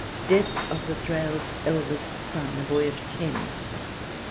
Death of the Thrale's eldest son, a boy of ten.